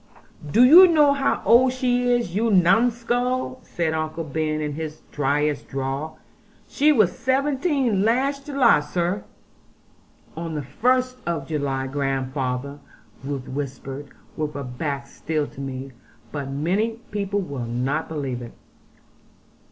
'Do you know how old she is, you numskull?' said Uncle Ben, in his dryest drawl; 'she was seventeen last July, sir.' 'On the first of July, grandfather,' Ruth whispered, with her back still to me; 'but many people will not believe it.'